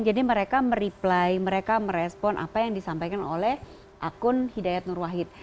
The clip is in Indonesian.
jadi mereka mereply mereka merespon apa yang disampaikan oleh akun hidayat nur wahid